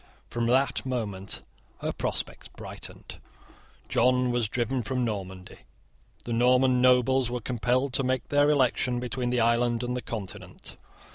From that moment her prospects brightened. John was driven from Normandy. The Norman nobles were compelled to make their election between the island and the continent.